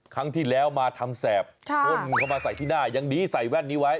ครั้งที่แล้วมาทำแสบพ่นเข้ามาใส่ที่หน้ายังดีใส่แว่นนี้ไว้